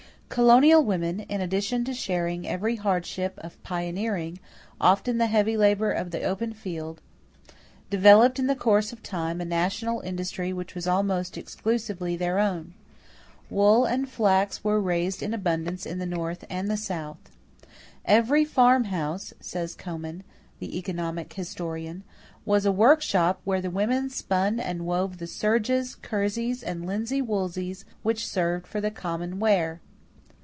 = Colonial women, in addition to sharing every hardship of pioneering, often the heavy labor of the open field, developed in the course of time a national industry which was almost exclusively their own. Wool and flax were raised in abundance in the North and South. "Every farm house," says Coman, the economic historian, "was a workshop where the women spun and wove the serges, kerseys, and linsey woolseys which served for the common wear."